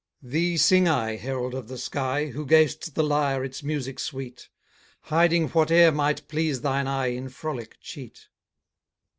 Thee sing I, herald of the sky, Who gav'st the lyre its music sweet, Hiding whate'er might please thine eye In frolic cheat.